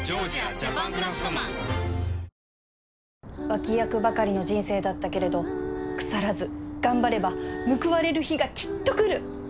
脇役ばかりの人生だったけれど腐らず頑張れば報われる日がきっとくる！